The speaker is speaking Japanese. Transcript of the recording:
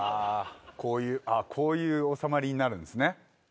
あっこういう収まりになるんですね